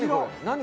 何？